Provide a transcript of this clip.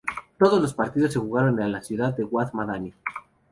Todos los partidos se jugaron en la ciudad de Wad Madani.